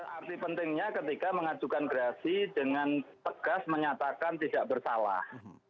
arti pentingnya ketika mengajukan gerasi dengan tegas menyatakan tidak bersalah